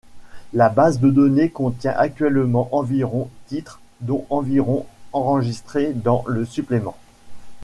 La base de données contient actuellement environ titres, dont environ enregistrés dans le supplément.